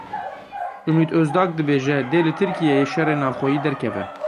Umit Ozdag dibêje; dê li Tirkiyeyê şerê navxweyî derkeve.